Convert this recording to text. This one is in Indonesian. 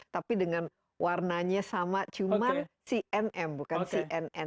tapi dengan warnanya sama cuma cnn bukan cnn